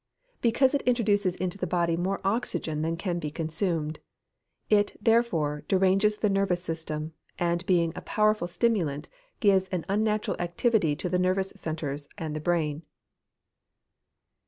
_ Because it introduces into the body more oxygen than can be consumed. It, therefore, deranges the nervous system, and being a powerful stimulant, gives an unnatural activity to the nervous centres and the brain.